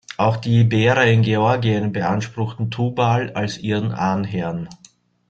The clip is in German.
Auch die Iberer in Georgien beanspruchten Tubal als ihren Ahnherren.